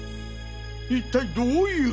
一体どういう。